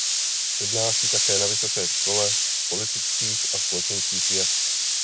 Přednáší také na Vysoké škole politických a společenských věd.